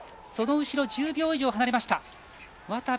その後ろは１０秒以上離れました。